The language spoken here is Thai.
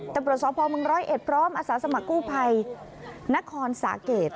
แต่ปรบสรองพ่อเมืองร้อยเอ็ดพร้อมอสสมสมัครกู้ผ่ายนครสาเกศ